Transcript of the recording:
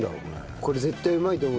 これ絶対うまいと思う。